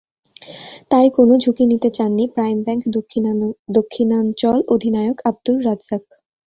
তাই কোনো ঝুঁকি নিতে চাননি প্রাইম ব্যাংক দক্ষিণাঞ্চল অধিনায়ক আবদুর রাজ্জাক।